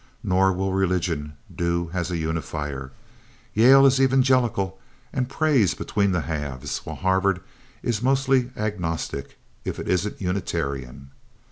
Nor will religion do as a unifier. Yale is evangelical and prays between the halves, while Harvard is mostly agnostic, if it isn't Unitarian.